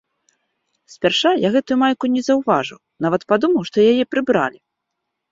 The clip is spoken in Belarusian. Спярша я гэтую майку не заўважыў, нават падумаў, што яе прыбралі.